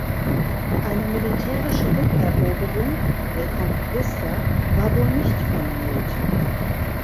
Eine militärische Rückeroberung "(reconquista)" war wohl nicht vonnöten.